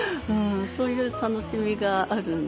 そういう楽しみがあるんで。